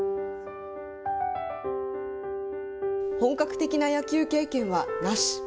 本格的な野球経験はなし。